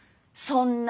そんな。